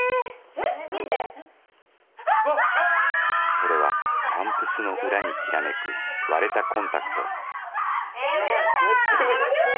それはパンプスの裏にきらめく割れたコンタクトヤバい割れてる！